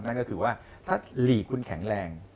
นั่นก็คือว่าถ้าหลีกคุณแข็งแรง